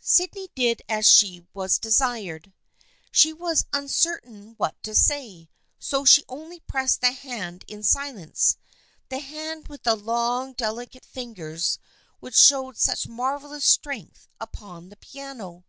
Sydney did as she was desired. She was uncer tain what to say, so she only pressed the hand in silence, the hand with the long delicate fingers which showed such marvelous strength upon the piano.